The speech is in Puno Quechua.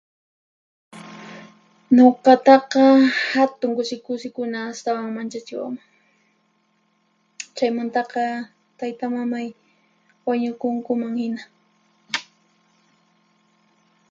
Nuqataqa hatun kusi kusikuna astawan manchachiwanman; chaymantaqa taytamamay wañukunkuman hina.